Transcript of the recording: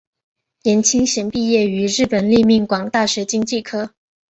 颜钦贤毕业于日本立命馆大学经济科。